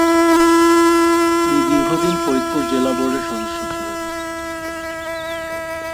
তিনি দীর্ঘ দেন ফরিদপুর জেলা বোর্ডের সদস্য ছিলেন।